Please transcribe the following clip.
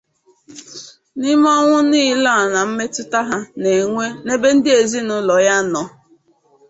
n'ime ọnwụ niile a nà mmetụta ha na-enwe n'ebe ndị ezinụlọ ya nọ